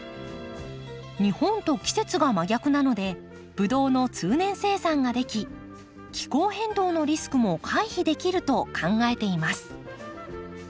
日本と季節が真逆なのでブドウの通年生産ができ気候変動のリスクも回避できると考えています。